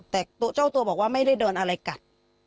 แต่เจ้าตัวบอกว่าไม่ได้โดนอะไรกัด